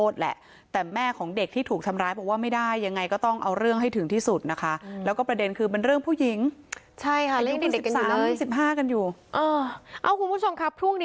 เด็กมันเหมือนว่ากูเก่ง